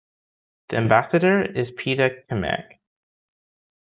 The Ambassador is Peter Kmec.